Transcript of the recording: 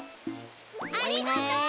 ありがとう！